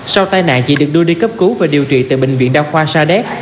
sau tai nạn chị được đưa đi cấp cứu và điều trị tại bệnh viện đa khoa sa đéc